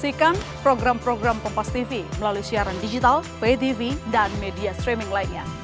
saksikan program program kompastv melalui siaran digital vtv dan media streaming lainnya